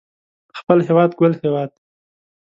خپل هيواد ګل هيواد